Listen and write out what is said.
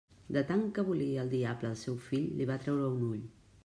De tant que volia el diable al seu fill, li va treure un ull.